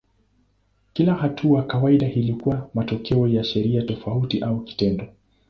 Kila hatua kawaida ilikuwa matokeo ya sheria tofauti au kitendo.